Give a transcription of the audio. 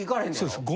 そうです。